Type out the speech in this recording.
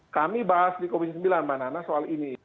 kami bahas di komisi sembilan mbak nana soal ini